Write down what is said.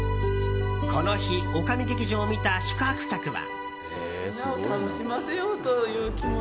この日、女将劇場を見た宿泊客は。